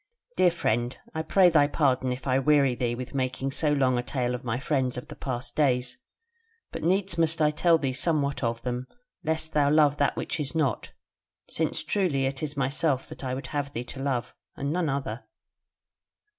"Dear friend, I pray thy pardon if I weary thee with making so long a tale of my friends of the past days; but needs must I tell thee somewhat of them, lest thou love that which is not. Since truly it is myself that I would have thee to love, and none other.